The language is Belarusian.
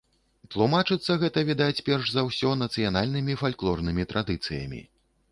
Тлумачыцца гэта, відаць, перш за ўсё нацыянальнымі фальклорнымі традыцыямі.